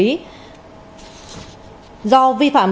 do vi phạm các lực lượng chức năng